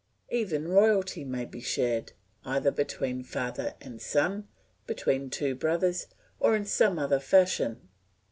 Even royalty may be shared, either between father and son, between two brothers, or in some other fashion.